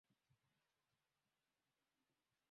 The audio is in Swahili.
cheti cha usajili wa redio kinatolewa na mamlaka ya mawasiliano